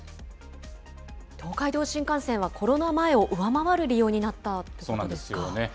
東海道新幹線はコロナ前を上回る利用になったということですそうなんですよね。